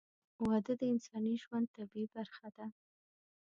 • واده د انساني ژوند طبیعي برخه ده.